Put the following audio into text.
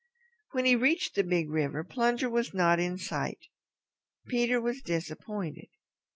When he reached the Big River, Plunger was not in sight. Peter was disappointed.